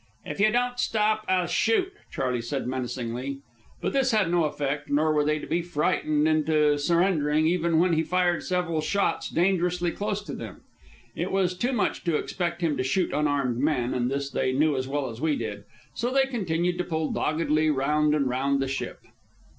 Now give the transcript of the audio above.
"If you don't stop, I'll shoot," Charley said menacingly. [Illustration: "I suddenly arose and threw the grappling iron."] But this had no effect, nor were they to be frightened into surrendering even when he fired several shots dangerously close to them. It was too much to expect him to shoot unarmed men, and this they knew as well as we did; so they continued to pull doggedly round and round the ship.